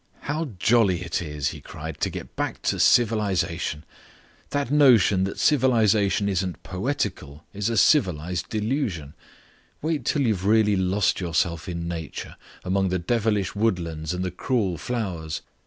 "How jolly it is," he cried, "to get back to civilization. That notion that civilization isn't poetical is a civilised delusion. Wait till you've really lost yourself in nature, among the devilish woodlands and the cruel flowers.